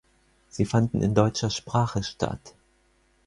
Sie fanden in deutscher Sprache statt.